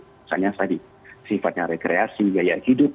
misalnya tadi sifatnya rekreasi gaya hidup